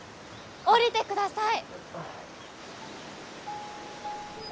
下りてください！